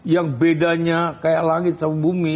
yang bedanya kayak langit sama bumi